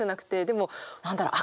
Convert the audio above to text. でも何だろう？